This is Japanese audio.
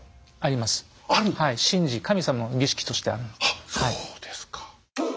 あっそうですか！